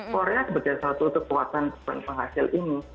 korea sebagai satu kekuatan penghasil ini